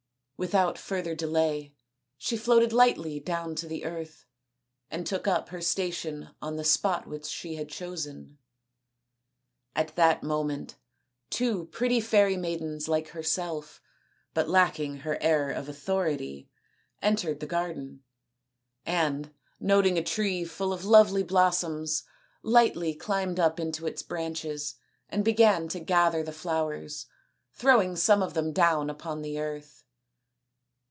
Without further delay she floated lightly down to earth and took up her station on the spot which she had chosen. At that moment two pretty fairy maidens like herself, but lacking her air of authority, entered the garden, and noting a tree full of lovely blossoms lightly climbed up into its branches and began to gather the flowers, throwing some of them down upon the earth.